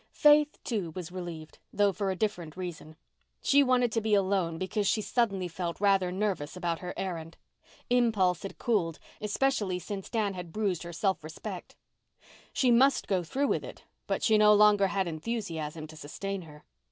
Faith, too, was relieved, though for a different reason. She wanted to be alone because she suddenly felt rather nervous about her errand. Impulse had cooled, especially since Dan had bruised her self respect. She must go through with it, but she no longer had enthusiasm to sustain her.